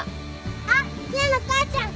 あっ陽菜の母ちゃん！